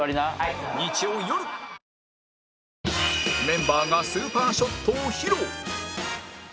メンバーがスーパーショットを披露